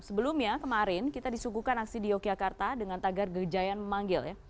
sebelumnya kemarin kita disuguhkan aksi di yogyakarta dengan tagar gejayan memanggil ya